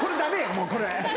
もうこれ。